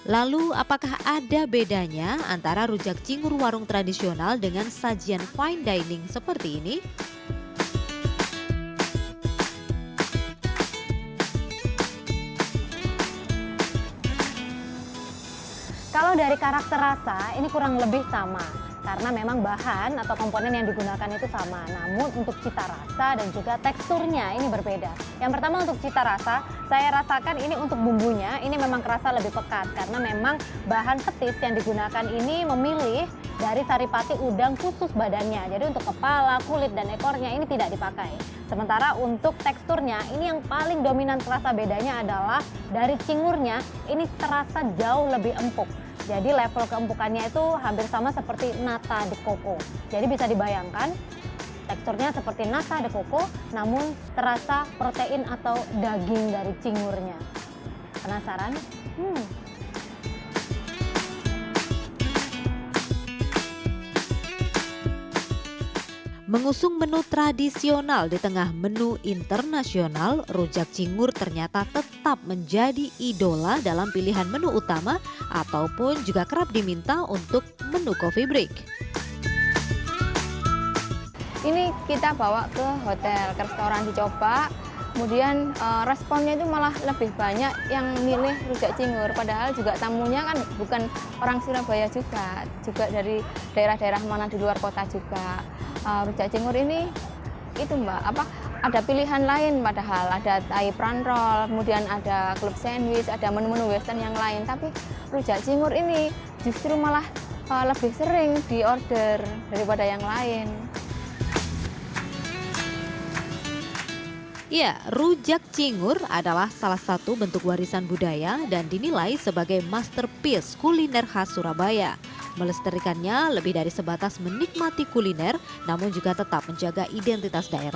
lalu apakah ada bedanya antara rujak cingur warung tradisional dengan sajian fine dining seperti ini